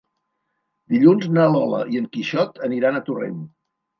Dilluns na Lola i en Quixot aniran a Torrent.